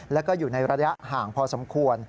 แล้วก็อยู่ในระยะห่างพอสมควร